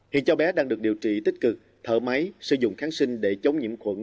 hiện cháu bé đang được điều trị tích cực thở máy sử dụng kháng sinh để chống nhiễm khuẩn